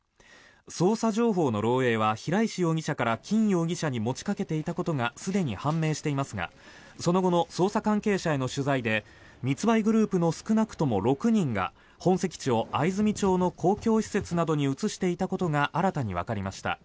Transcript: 捜査情報の漏えいは平石容疑者からキン容疑者に持ちかけていたことがすでに判明していますがその後の捜査関係者への取材で密売グループの少なくとも６人が本籍地を藍住町の公共施設などに移していたことが新たにわかりました。